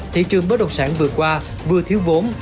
thị trường bất động sản vừa qua vừa thiếu vốn